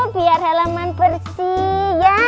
terima kasih pak